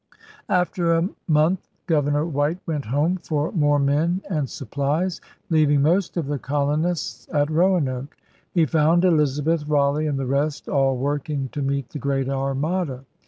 After a month Governor White went home for more men and supplies, leaving most of the colo 214 ELIZABETHAN SEA DOGS nists at Roanoke. He found Elizabeth, Raleigh, and the rest all working to meet the Great Armada.